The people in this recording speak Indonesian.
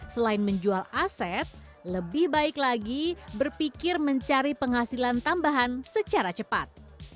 selain menjual aset lebih baik lagi berpikir mencari penghasilan tambahan secara cepat